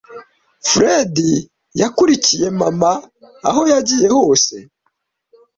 Fred yakurikiye mama aho yagiye hose.